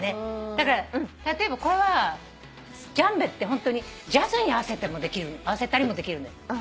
だから例えばこれはジャンベってホントにジャズに合わせたりもできる。